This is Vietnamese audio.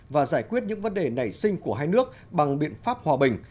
và giải quyết những vấn đề nảy sinh của hai nước bằng biện pháp hòa bình